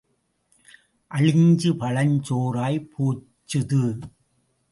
அளிஞ்சு பழஞ் சோறாய்ப் போச்சுது.